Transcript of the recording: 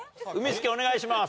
スケお願いします。